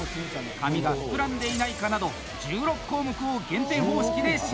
「紙が膨らんでいないか」など１６項目を減点方式で審査します。